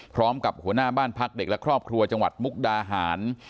หัวหน้าบ้านพักเด็กและครอบครัวจังหวัดมุกดาหาร